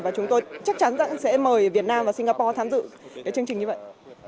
và chúng tôi chắc chắn sẽ mời việt nam và singapore tham dự cái chương trình như vậy